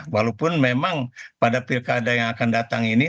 walaupun memang pada pilkada yang akan datang ini